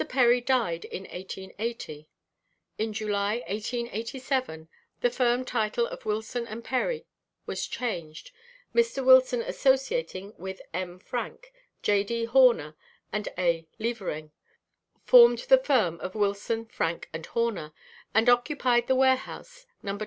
Perry died in 1880. In July, 1887, the firm title of Wilson & Perry was changed, Mr. Wilson associating with M. Frank, J. D. Horner and A. Levering, formed the firm of Wilson, Frank & Horner, and occupied the warehouse No.